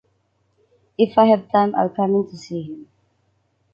If I have time, I'll come in to see him.